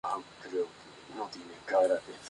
Al final, Mia habia aprendido su lección.